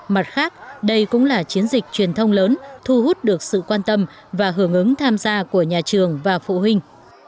mặt khác đây cũng là chiến dịch truyền thông lớn thu hút được sự quan tâm và hưởng ứng tham gia của nhà trường và phụ huynh